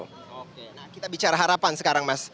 oke nah kita bicara harapan sekarang mas